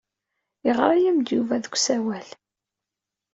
Yeɣra-am-d Yuba deg usawal.